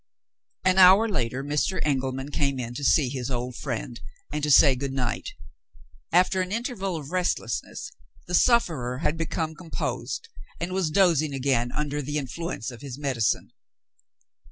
An hour later Mr. Engelman came in to see his old friend, and to say good night. After an interval of restlessness, the sufferer had become composed, and was dozing again under the influence of his medicine.